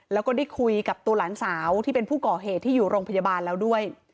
แล้วก็ได้คุยกับตัวหลานสาวที่เป็นผู้ก่อเหตุที่อยู่โรงพยาบาลแล้วด้วย